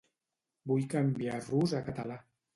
Vull canviar rus a català.